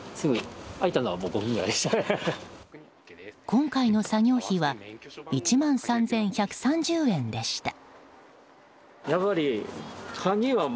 今回の作業費は１万３１３０円でした。